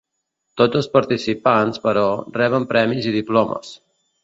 Tots els participants, però, reben premis i diplomes.